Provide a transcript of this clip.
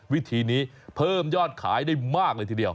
วิธีนี้เพิ่มยอดขายได้มากเลยทีเดียว